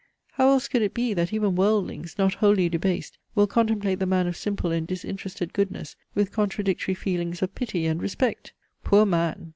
How else could it be, that even worldlings, not wholly debased, will contemplate the man of simple and disinterested goodness with contradictory feelings of pity and respect? "Poor man!